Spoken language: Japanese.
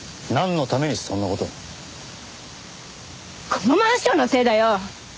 このマンションのせいだよ！